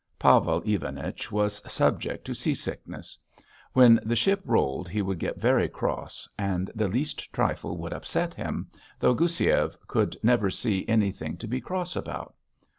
Pavel Ivanich was subject to seasickness. When the ship rolled he would get very cross, and the least trifle would upset him, though Goussiev could never see anything to be cross about.